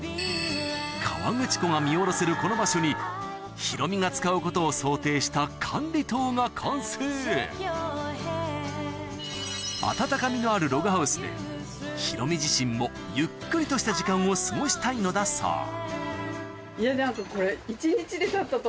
河口湖が見下ろせるこの場所にヒロミが使うことを想定した管理棟が完成でヒロミ自身もゆっくりとした時間を過ごしたいのだそういや何かこれ。